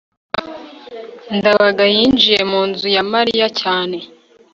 ndabaga yinjiye mu nzu ya mariya cyane